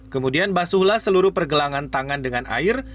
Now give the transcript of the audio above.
kemudian basuhlah seluruh pergelangan tangan dengan air